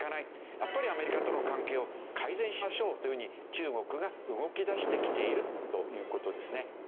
やっぱりアメリカとの関係を改善しましょうというふうに中国が動き出してきているという事ですね。